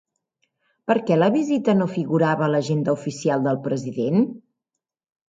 Per què la visita no figurava a l'agenda oficial del president?